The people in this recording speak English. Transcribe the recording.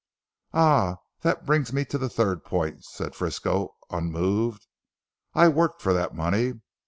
"Ah! That brings me to the third point," said Frisco unmoved, "I worked for that money.